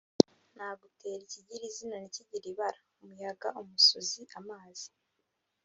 Nagutera ikigira izina ntikigire ibara-Umuyaga - Umusuzi - Amazi